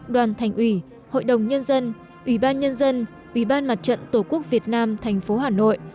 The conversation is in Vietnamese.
đoàn thành ủy hội đồng nhân dân ủy ban nhân dân ủy ban mặt trận tổ quốc việt nam thành phố hà nội